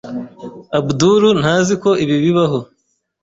Abdul ntazi ko ibi bibaho.